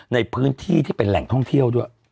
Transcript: ในพื้นที่ที่เป็นแหล่งท่องเที่ยวด้วย